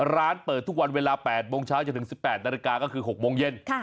ร้านเปิดทุกวันเวลา๘โมงเช้าจนถึง๑๘นาฬิกาก็คือ๖โมงเย็น